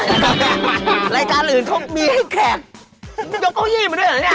อะไรกันอื่นมีให้แขกยกเก้าอี้มาด้วยหรือ